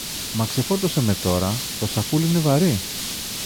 Μα ξεφόρτωσε με τώρα, το σακούλι είναι βαρύ!